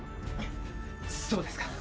っそうですか。